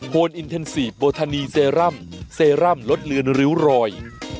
นอินเทนซีฟโบทานีเซรั่มเซรั่มลดเลือนริ้วรอย